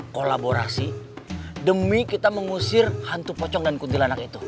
kolaborasi demi kita mengusir hantu pocong dan kuntilanak itu